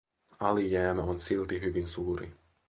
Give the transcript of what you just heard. Alijäämä on silti hyvin suuri.